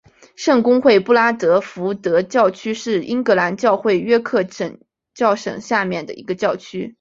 圣公会布拉德福德教区是英格兰教会约克教省下面的一个教区。